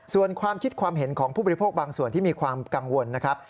ส่วนความคิดความเห็นของผู้บริโภคบางส่วนที่มีความกังวลนะครับ